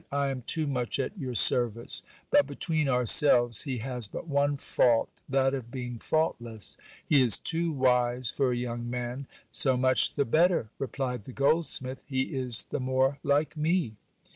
I am too much at your service. But, between ourselves, he has but one fault ; that of being faultless. He is too wise for a young man. So much the better, replied the goldsmith ; he is the more like me.